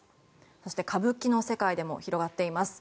そして、歌舞伎の世界でも広がっています。